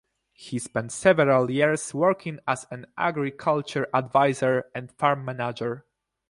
He spent several years working as an agriculture adviser and farm manager.